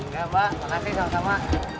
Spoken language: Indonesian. enggak mbak makasih sama sama